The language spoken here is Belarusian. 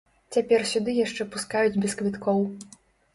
Цяпер сюды яшчэ пускаюць без квіткоў.